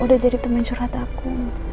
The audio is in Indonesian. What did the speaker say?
udah jadi temen surat aku